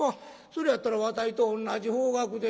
それやったらわたいと同じ方角でんがな。